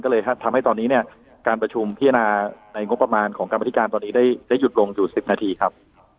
ก็เลยทำให้ตอนนี้เนี่ยการประชุมพิจารณาในงบประมาณของกรรมธิการตอนนี้ได้หยุดลงอยู่๑๐นาทีครับ